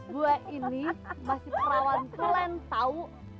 gua ini masih perawan klan tau